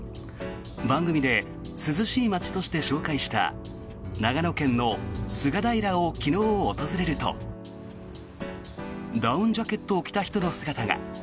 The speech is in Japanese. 番組で涼しい街として紹介した長野県の菅平を昨日訪れるとダウンジャケットを着た人の姿が。